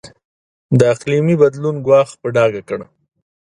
د اقلیمي بدلون ګواښ په ډاګه کړ.